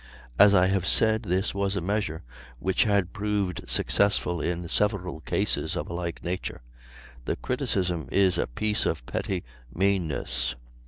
As I have said, this was a measure which had proved successful in several cases of a like nature; the criticism is a piece of petty meanness.